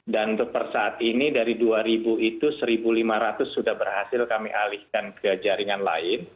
dan untuk persaat ini dari dua ribu itu seribu lima ratus sudah berhasil kami alihkan ke jaringan lain